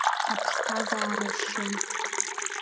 Аԥсҭазаара шьым!